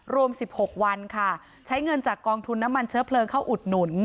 รวม๑๖วันค่ะใช้เงินจากกองทุนน้ำมันเชื้อเพลิงเข้าอุดหนุน